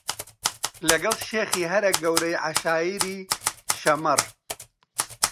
لەگەڵ شێخی هەرە گەورەی عەشایری شەممەڕ